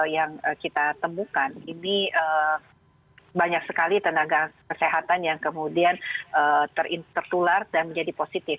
yang kita temukan ini banyak sekali tenaga kesehatan yang kemudian tertular dan menjadi positif